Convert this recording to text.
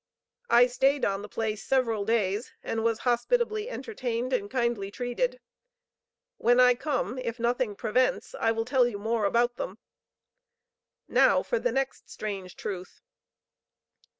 I stayed on the place several days and was hospitably entertained and kindly treated. When I come, if nothing prevents, I will tell you more about them. Now for the next strange truth.